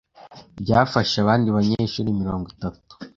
ryafashe abandi banyeshuri mirongo itatu